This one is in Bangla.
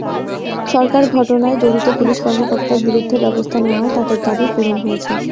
সরকার ঘটনায় জড়িত পুলিশ কর্মকর্তার বিরুদ্ধে ব্যবস্থা নেওয়ায় তাঁদের দাবি পূরণ হয়েছে।